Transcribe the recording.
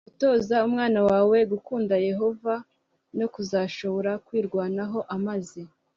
gutoza umwana wawe gukunda yehova no kuzashobora kwirwanaho amaze